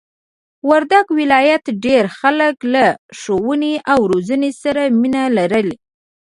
وردګ ولایت ډېرئ خلک له ښوونې او روزنې سره مینه لري!